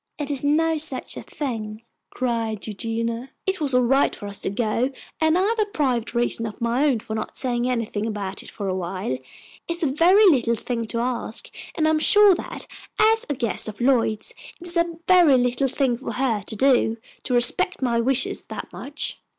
"It is no such a thing!" cried Eugenia. "It was all right for us to go, and I've a private reason of my own for not saying anything about it for awhile. It is a very little thing to ask, and I'm sure that, as a guest of Lloyd's, it is a very little thing for her to do, to respect my wishes that much."